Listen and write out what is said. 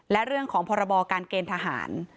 และเรื่องของพรบการเกณฑ์ทหาร